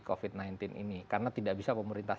covid sembilan belas ini karena tidak bisa pemerintah